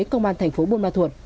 công an thành phố buôn ma thuột